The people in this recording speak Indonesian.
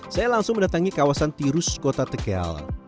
saya langsung mendatangi kawasan tirus kota tegal